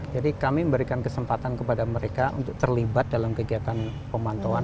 jadi kami memberikan kesempatan kepada mereka untuk terlibat dalam kegiatan pemantauan